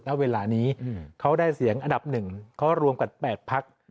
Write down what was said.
ณเวลานี้เขาได้เสียงอันดับ๑เขารวมกัน๘พัก